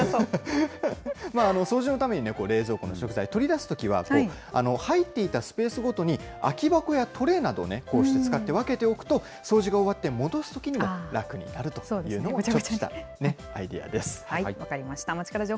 掃除のために、冷蔵庫の食材、取り出すときは、入っていたスペースごとに、空き箱やトレーなどを使って、こうして使って分けておくと、掃除が終わって戻すときにも楽になるというのもちょっとしたアイデア。